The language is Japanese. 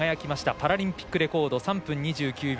パラリンピックレコード３分２９秒